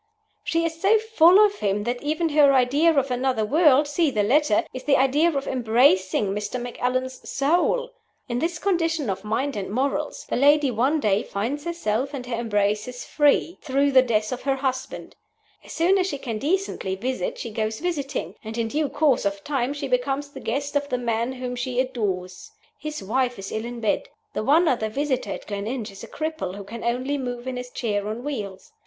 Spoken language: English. She is so full of him that even her idea of another world (see the letter) is the idea of "embracing" Mr. Macallan's "soul." In this condition of mind and morals, the lady one day finds herself and her embraces free, through the death of her husband. As soon as she can decently visit she goes visiting; and in due course of time she becomes the guest of the man whom she adores. His wife is ill in her bed. The one other visitor at Gleninch is a cripple, who can only move in his chair on wheels.